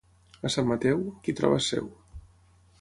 A Sant Mateu, qui troba és seu.